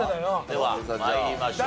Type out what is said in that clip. では参りましょう。